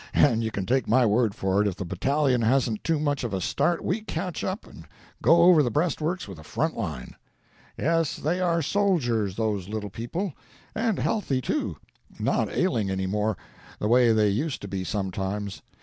and you can take my word for it, if the battalion hasn't too much of a start we catch up and go over the breastworks with the front line. "Yes, they are soldiers, those little people; and healthy, too, not ailing any more, the way they used to be sometimes.